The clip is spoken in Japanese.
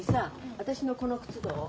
私のこの靴どう？